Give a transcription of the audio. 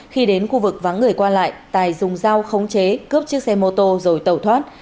khi đến khu vực vắng người qua lại tài dùng dao khống chế cướp chiếc xe mô tô rồi tẩu thoát